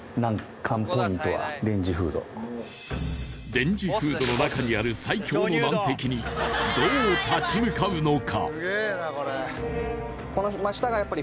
レンジフードの中にある最強の難敵にどう立ち向かうのか。